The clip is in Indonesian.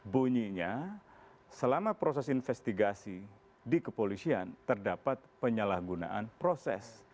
bunyinya selama proses investigasi di kepolisian terdapat penyalahgunaan proses